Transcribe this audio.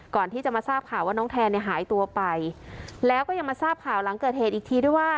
ก่อนที่จะมาทราบข่าวว่าน้องแทนเนี่ยหายตัวไปแล้วก็ยังมาทราบข่าวหลังเกิดเหตุอีกทีด้วยว่า